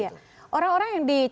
mbak titi apa yang anda inginkan